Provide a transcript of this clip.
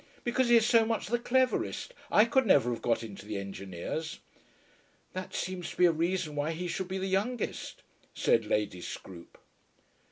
"Because he is so much the cleverest. I could never have got into the Engineers." "That seems to be a reason why he should be the youngest," said Lady Scroope.